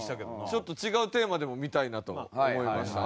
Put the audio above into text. ちょっと違うテーマでも見たいなと思いました。